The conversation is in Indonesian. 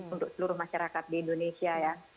untuk seluruh masyarakat di indonesia ya